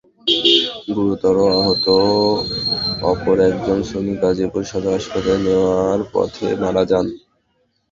গুরুতর আহত অপর একজন শ্রমিক গাজীপুর সদর হাসপাতালে নেওয়ার পথে মারা যান।